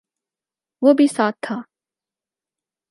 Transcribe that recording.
وہ بھی ساتھ تھا